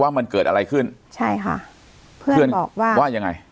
ว่ามันเกิดอะไรขึ้นใช่ค่ะเพื่อนเพื่อนบอกว่าว่ายังไง